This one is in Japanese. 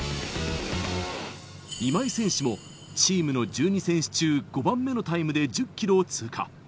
今井選手も、チームの１２選手中５番目のタイムで１０キロを通過。